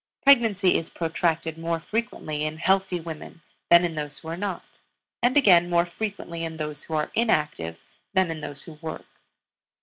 Pregnancy is protracted more frequently in healthy women than in those who are not, and again more frequently in those who are inactive than in those who work.